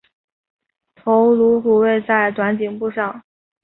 头颅骨位在短颈部上。